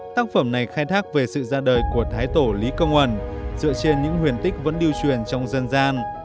tác phẩm này khai thác về sự ra đời của thái tổ lý công uẩn dựa trên những huyền tích vẫn điều truyền trong dân gian